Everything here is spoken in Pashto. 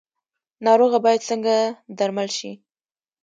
ناروغه باید څنګه درمل شي؟